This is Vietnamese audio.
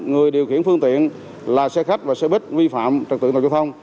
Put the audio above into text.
người điều khiển phương tiện là xe khách và xe buýt vi phạm trật tựa giao thông